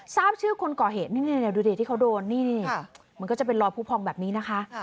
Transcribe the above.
ทราบชื่อคนก่อเหตุนี่ดูดิที่เขาโดนนี่มันก็จะเป็นรอยผู้พองแบบนี้นะคะ